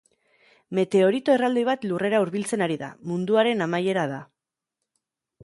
Meteorito erraldoi bat Lurrera hurbiltzen ari da: Munduaren amaiera da.